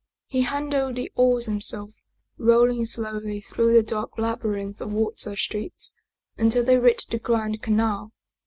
He handled the oars himself, rowing slowly through the dark labyrinth of water streets until they reached the Grand Canal.